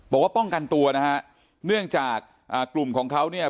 บอกว่าป้องกันตัวนะฮะเนื่องจากอ่ากลุ่มของเขาเนี่ย